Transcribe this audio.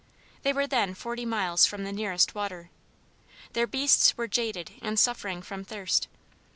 They were then forty miles from the nearest water. Their beasts were jaded and suffering from thirst.